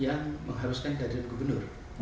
yang mengharuskan kehadiran gubernur